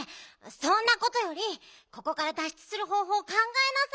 そんなことよりここからだっしゅつするほうほうかんがえなさいよ。